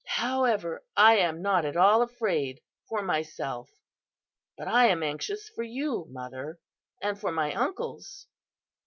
"'However, I am not at all afraid for myself, but I am anxious for you, Mother, and for my uncles.